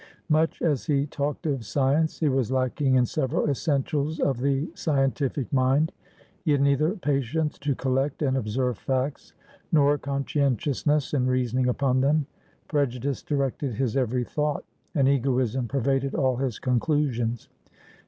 Much as he talked of science, he was lacking in several essentials of the scientific mind; he had neither patience to collect and observe facts, nor conscientiousness in reasoning upon them; prejudice directed his every thought, and egoism pervaded all his conclusions.